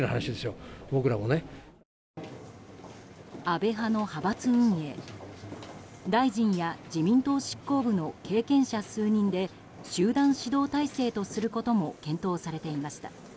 安倍派の派閥運営大臣や自民党執行部の経験者数人で集団指導体制とすることも検討されていました。